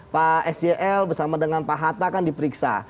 pak sjl bersama dengan pak hatta kan diperiksa